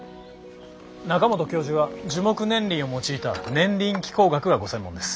中本教授は樹木年輪を用いた年輪気候学がご専門です。